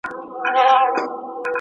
هغه ډېر مهربان او رښتونی سړی و.